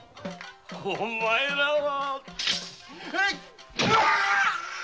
お前らは。